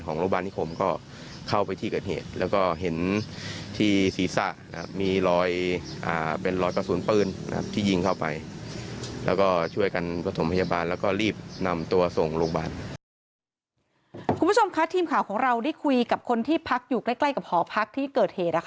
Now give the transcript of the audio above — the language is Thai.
คุณผู้ชมคะทีมข่าวของเราได้คุยกับคนที่พักอยู่ใกล้กับหอพักที่เกิดเหตุ